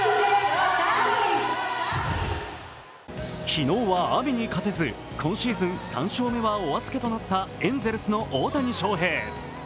昨日は雨に勝てず、今シーズン３勝目はお預けとなったエンゼルスの大谷翔平。